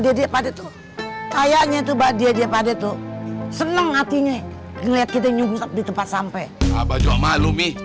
dedek pada tuh kayaknya itu badia dia pada tuh seneng hatinya ngeliat kita nyusap di tempat sampai